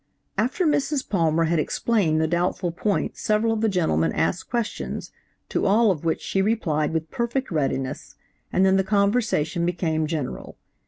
"After Mrs. Palmer had explained the doubtful point several of the gentlemen asked questions, to all of which she replied with perfect readiness, and then the conversation became general.